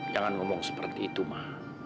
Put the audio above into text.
jangan ngomong seperti itu mah